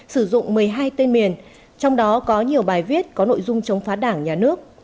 sử dụng một mươi hai tên miền trong đó có nhiều bài viết có nội dung chống phá đảng nhà nước